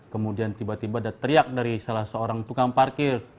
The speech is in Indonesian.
kemudian tiba tiba ada teriak dari salah seorang tukang parkir